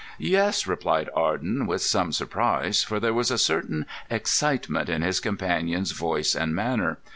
"Yes," replied Arden with some surprise, for there was a certain excitement in his companion's voice and manner.